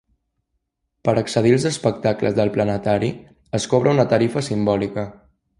Per accedir als espectacles del planetari, es cobra una tarifa simbòlica.